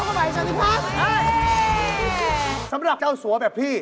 โอกาสได้ออกมาใหม่สำหรับเจ้าสัวแบบพี่